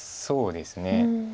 そうですね。